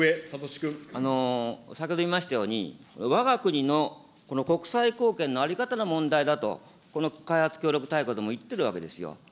先ほど言いましたように、わが国の国際貢献の在り方の問題だと、この開発協力大綱でも言ってるわけですよ。